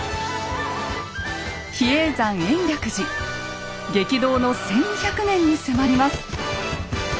比叡山延暦寺激動の１，２００年に迫ります。